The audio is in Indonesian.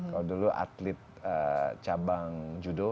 kalau dulu atlet cabang judo